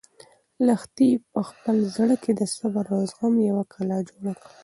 لښتې په خپل زړه کې د صبر او زغم یوه کلا جوړه کړه.